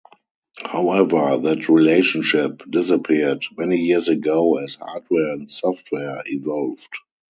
However, that relationship disappeared many years ago as hardware and software evolved.